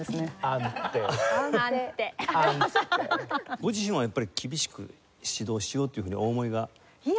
ご自身はやっぱり厳しく指導しようっていうふうにお思いがあるんですか？